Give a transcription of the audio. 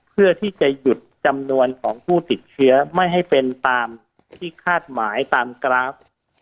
เพื่อที่จะหยุดจำนวนของผู้ติดเชื้อไม่ให้เป็นตามที่คาดหมายตามกราฟ